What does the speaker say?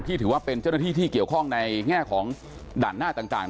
ถือว่าเป็นเจ้าหน้าที่ที่เกี่ยวข้องในแง่ของด่านหน้าต่าง